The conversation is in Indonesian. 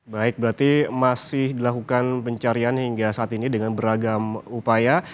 baik berarti masih dilakukan pencarian hingga saat ini dengan beragam upaya